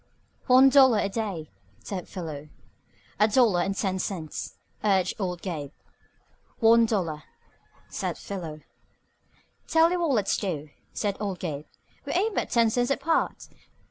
"One dollar a day," said Philo. "A dollar, ten cents," urged old Gabe. "One dollar," said Philo. "Tell you what let's do," said old Gabe. "We ain't but ten cents apart.